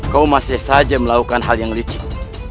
kau masih saja melakukan hal yang licin